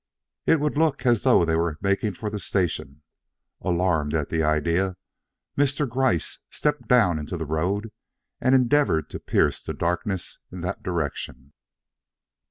It would look as though they were making for the station. Alarmed at the idea, Mr. Gryce stepped down into the road and endeavored to pierce the darkness in that direction.